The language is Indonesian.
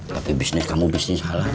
tapi bisnis kamu bisnis halal ya